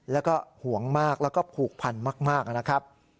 แล้วก็ห่วงมากแล้วก็ผูกพันมากนะครับ